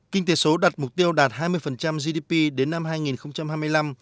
kinh tế số đặt mục tiêu đạt hai mươi gdp đến năm hai nghìn hai mươi năm